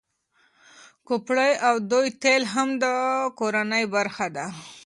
کوپره او دوی تېل هم د کورنۍ برخه ده.